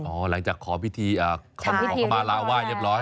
หลังจากขอพิธีขอเข้ามาลาไห้เรียบร้อย